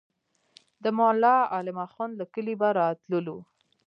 د ملا عالم اخند له کلي به راتللو.